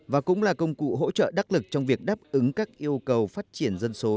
và cũng là công cụ hỗ trợ đắc lực trong việc đáp ứng các yêu cầu phát triển dân số